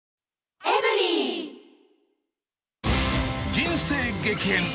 人生激変！